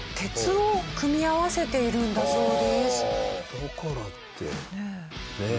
だからってねえ。